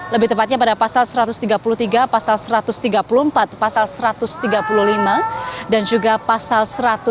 lebih tepatnya pada pasal satu ratus tiga puluh tiga pasal satu ratus tiga puluh empat pasal satu ratus tiga puluh lima dan juga pasal satu ratus enam puluh